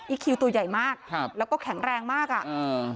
คิวตัวใหญ่มากครับแล้วก็แข็งแรงมากอ่ะอ่า